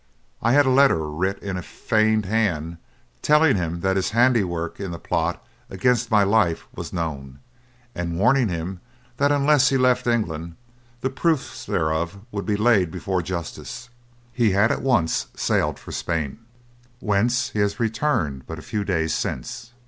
"I had a letter writ in a feigned hand telling him that his handiwork in the plot against my life was known, and warning him that, unless he left England, the proofs thereof would be laid before justice. He at once sailed for Spain, whence, he has returned but a few days since.